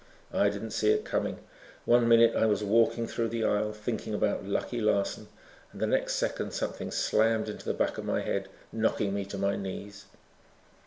I didn't see it coming. One minute I was walking through the aisle, thinking about Lucky Larson and the next second something slammed into the back of my head knocking me to my knees.